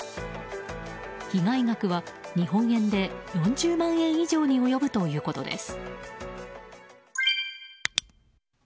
被害額は日本円で４０万円以上に及ぶということです。